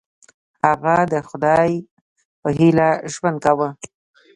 هغه د خدای په هیله ژوند کاوه.